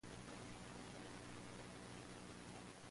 Sayadi was born in Lebanon.